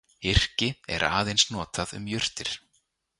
Yrki er aðeins notað um jurtir.